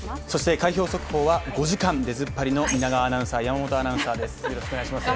開票速報は５時間出突っ張りの皆川玲奈アナウンサー、山本アナウンサーです。